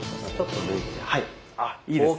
あっいいですね。